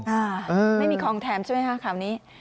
ไม่มีของแถมใช่ไหมครับคำนี้